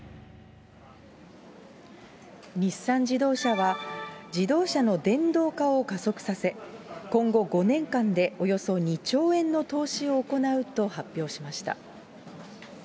日産自動車は、自動車の電動化を加速させ、今後５年間でおよそ２兆円の投資を行うと発表しました。